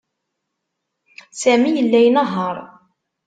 Sami yella inehheṛ.